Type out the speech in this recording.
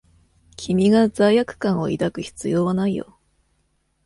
君が罪悪感を抱く必要はないよ。